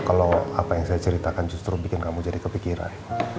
kalau apa yang saya ceritakan justru bikin kamu jadi kepikiran